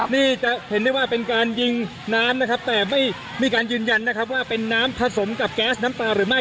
นี่จะเห็นได้ว่าเป็นการยิงน้ำนะครับแต่ไม่มีการยืนยันนะครับว่าเป็นน้ำผสมกับแก๊สน้ำตาหรือไม่